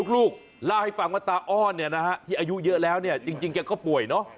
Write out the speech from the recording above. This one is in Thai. ลูกเล่าให้ฟังว่าตาอ้อนเนี่ยนะฮะที่อายุเยอะแล้วเนี่ยจริงแกก็ป่วยเนอะ